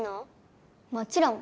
もちろん。